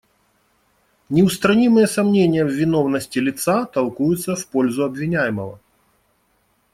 Неустранимые сомнения в виновности лица толкуются в пользу обвиняемого.